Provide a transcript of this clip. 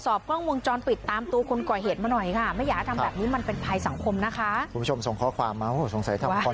อ๋อโอ้โอ้จริง